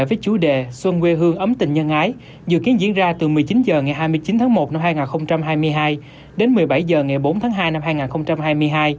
với chủ đề xuân quê hương ấm tình nhân ái dự kiến diễn ra từ một mươi chín h ngày hai mươi chín tháng một năm hai nghìn hai mươi hai đến một mươi bảy h ngày bốn tháng hai năm hai nghìn hai mươi hai